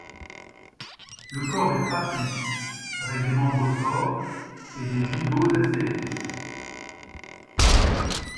Le corps est trapu, avec des membres forts et des gigots assez épais.